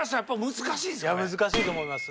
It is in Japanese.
難しいと思います。